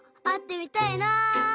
あってみたいな。